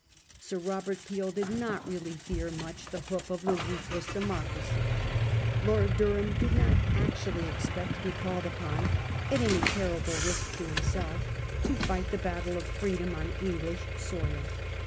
Sir Robert Peel did not really fear much the hoof of the ruthless de mocracy ; Lord Durham did not actually expect to be called upon at any terrible risk to himself to fight the battle of freedom on English soil.